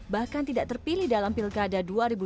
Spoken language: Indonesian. bahkan tidak terpilih dalam pilkada dua ribu delapan belas